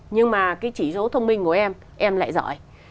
nhưng mà cái chỉ số thông minh của em em em lại giỏi